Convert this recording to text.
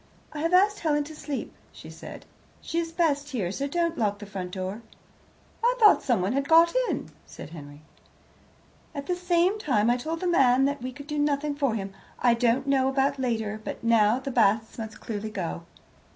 "I have asked Helen to sleep," she said. "She is best here; so don't lock the front door." "I thought someone had got in," said Henry. "At the same time I told the man that we could do nothing for him. I don't know about later, but now the Basts must clearly go."